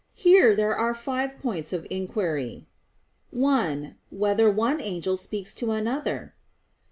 Here there are five points of inquiry: (1) Whether one angel speaks to another?